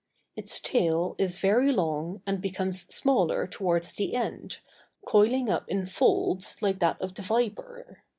Its tail is very long, and becomes smaller towards the end, coiling up in folds like that of the viper.